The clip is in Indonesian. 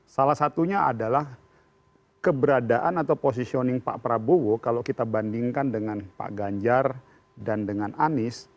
salah satunya adalah keberadaan atau positioning pak prabowo kalau kita bandingkan dengan pak ganjar dan dengan anies